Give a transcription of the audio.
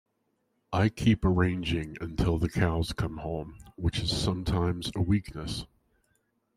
I keep arranging until the cows come home, which is sometimes a weakness.